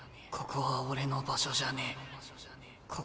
ここは俺の場所じゃねえ。